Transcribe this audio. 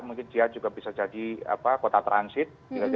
mungkin dia juga bisa jadi kota transit